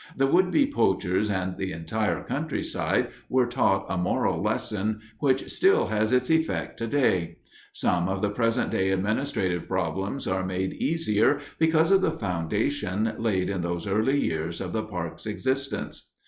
The would be poachers and the entire countryside were taught a moral lesson which still has its effect today. Some of the present day administrative problems are made easier because of the foundation laid in those first years of the park's existence.